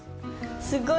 すごい。